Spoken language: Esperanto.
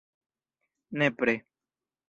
nepre